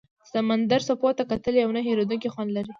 د سمندر څپو ته کتل یو نه هېریدونکی خوند لري.